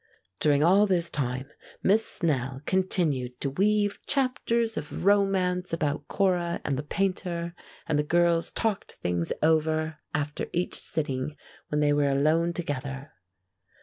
During all this time Miss Snell continued to weave chapters of romance about Cora and the Painter, and the girls talked things over after each sitting when they were alone together.